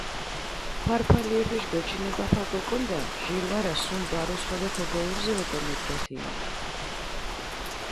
ფარფალიეფიშ გოჩინებაფა გოკონდა, ჟირ ვარა სუმ ბარუს ხოლო ქოგოურზე ოკო მუდგათ იჸინ.